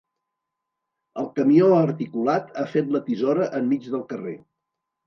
El camió articulat ha fet la tisora enmig del carrer.